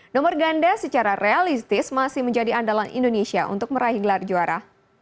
nomor ganda secara realistis masih menjadi andalan indonesia untuk meraih gelar juara